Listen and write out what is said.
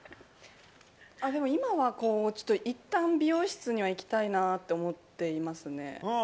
今は、いったん美容室には行きたいなと思っていますね。